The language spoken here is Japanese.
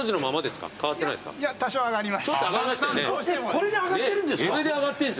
これで上がってるんですか？